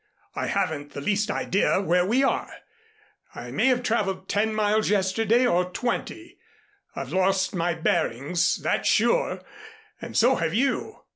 "I haven't the least idea where we are. I may have traveled ten miles yesterday or twenty. I've lost my bearings, that's sure, and so have you.